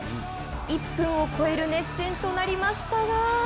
１分を超える熱戦となりましたが。